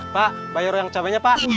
pak bayar yang cabainya pak